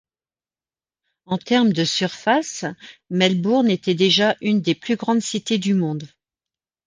En termes de surface, Melbourne était déjà une des plus grandes cités du monde.